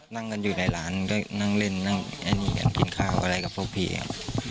นั่งกันอยู่ในร้านก็นั่งเล่นนั่งกินข้าวอะไรกับพวกพี่